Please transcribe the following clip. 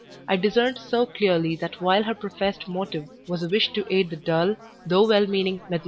I discerned so clearly that while her professed motive was a wish to aid the dull, though well meaning Mdlle.